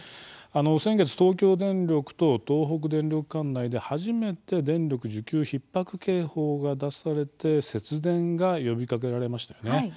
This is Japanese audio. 先月、東京電力と東北電力管内で初めて電力需給ひっ迫警報が出されて節電が呼びかけられましたよね。